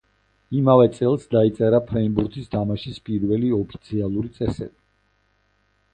იმავე წელს დაიწერა ფრენბურთის თამაშის პირველი ოფიციალური წესები.